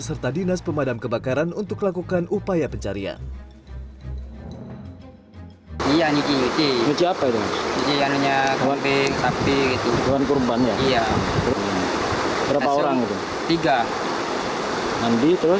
serta dinas pemadam kebakaran untuk lakukan upaya pencarian